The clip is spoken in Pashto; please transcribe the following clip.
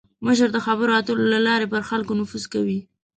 مشر د خبرو اترو له لارې پر خلکو نفوذ کوي.